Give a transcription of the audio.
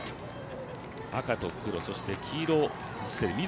赤と黒、そして緑